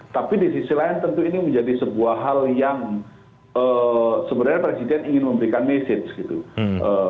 tapi di sisi lain tentu ini menjadi sebuah hal yang sebenarnya presiden ingin memberikan message gitu